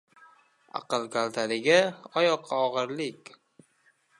• Aql kaltaligi — oyoqqa og‘irlik.